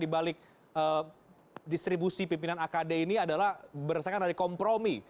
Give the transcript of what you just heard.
di balik distribusi pimpinan akd ini adalah berdasarkan dari kompromi